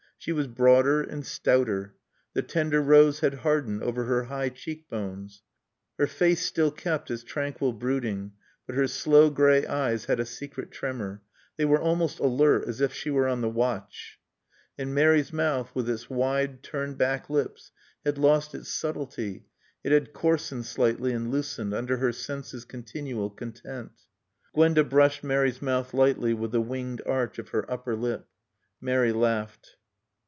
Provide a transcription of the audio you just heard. She was broader and stouter; the tender rose had hardened over her high cheek bones. Her face still kept its tranquil brooding, but her slow gray eyes had a secret tremor, they were almost alert, as if she were on the watch. And Mary's mouth, with its wide, turned back lips, had lost its subtlety, it had coarsened slightly and loosened, under her senses' continual content. Gwenda brushed Mary's mouth lightly with the winged arch of her upper lip. Mary laughed.